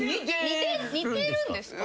似てるんですか？